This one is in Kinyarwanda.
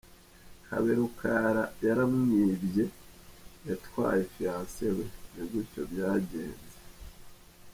Kaberuka yaramwibye, yatwaye fiancé we, ni gutyo byagenze.